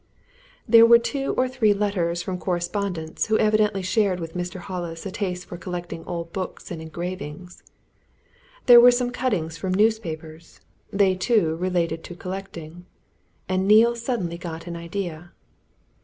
There were two or three letters from correspondents who evidently shared with Mr. Hollis a taste for collecting old books and engravings. There were some cuttings from newspapers: they, too, related to collecting. And Neale suddenly got an idea.